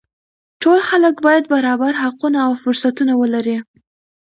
ټول خلک باید برابر حقونه او فرصتونه ولري